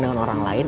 dengan orang lain